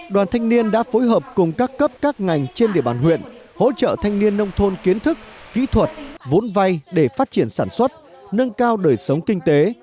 đoàn thanh niên đã phối hợp cùng các cấp các ngành trên địa bàn huyện hỗ trợ thanh niên nông thôn kiến thức kỹ thuật vốn vay để phát triển sản xuất nâng cao đời sống kinh tế